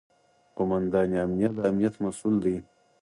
قوماندان امنیه د امنیت مسوول دی